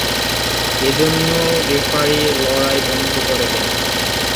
এইজন্য রেফারি লড়াই বন্ধ করে দেন।